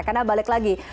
karena balik lagi